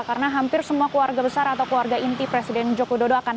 karena hampir semua keluarga besar atau keluarga inti presiden joko dodo akan